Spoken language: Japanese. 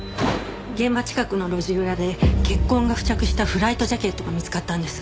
現場近くの路地裏で血痕が付着したフライトジャケットが見つかったんです。